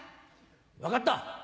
分かった。